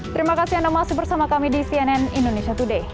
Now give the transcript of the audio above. terima kasih anda masih bersama kami di cnn indonesia today